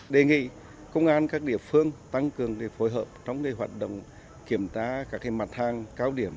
đề nghị công an các địa phương tăng cường phối hợp trong hoạt động kiểm tra các mặt hàng cao điểm